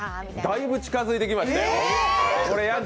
だいぶ近づいてきましたよ。